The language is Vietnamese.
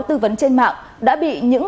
tư vấn trên mạng